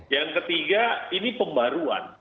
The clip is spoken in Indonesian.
yang ketiga ini pembaruan